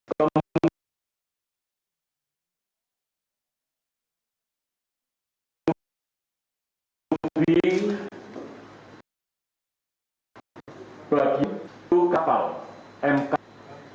kemudian bagian luar badan tekan